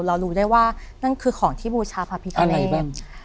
เรารู้ได้ว่านั่นคือของที่บูชาพระพิฆาเนตอะไรบ้าง